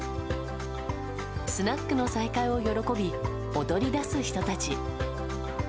スナックの再開を喜び踊り出す人たち。